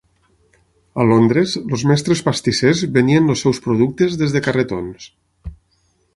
A Londres, els mestres pastissers venien els seus productes des de carretons.